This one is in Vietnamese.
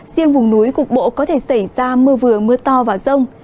riêng vùng núi cục bộ có thể xảy ra mưa vừa mưa to và rông